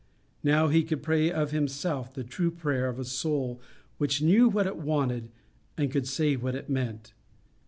Now he could pray of himself the true prayer of a soul which knew what it wanted, and could say what it meant.